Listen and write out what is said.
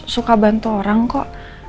suka bantu orang kok